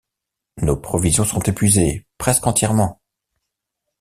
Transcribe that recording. Nos provisions sont épuisées presque entièrement!